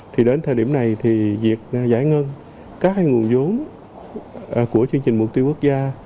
thì đến thời điểm này thì việc giải ngân các nguồn giống của chương trình mục tiêu quốc gia